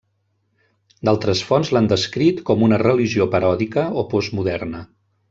D'altres fonts l'han descrit com una religió paròdica o postmoderna.